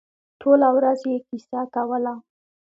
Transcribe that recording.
ټوله ورځ یې کیسه کوله.